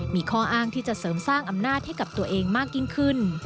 มีข้ออ้างที่จะเสริมสร้างอำนาจให้กับตัวเองมากยิ่งขึ้น